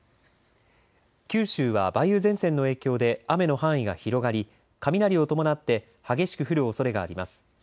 九州は梅雨前線の影響で雨の範囲が広がり雷を伴って激しく降るおそれがあります。